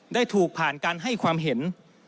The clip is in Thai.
ได้ถูกผ่านการให้ความเห็น